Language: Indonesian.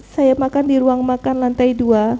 saya makan di ruang makan lantai dua